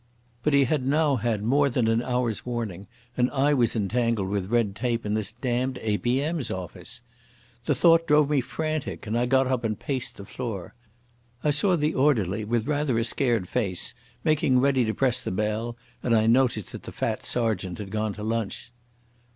But he had now had more than an hour's warning, and I was entangled with red tape in this damned A.P.M."s office. The thought drove me frantic, and I got up and paced the floor. I saw the orderly with rather a scared face making ready to press the bell, and I noticed that the fat sergeant had gone to lunch.